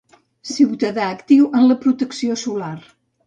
Ciutadà actiu en la protecció solar.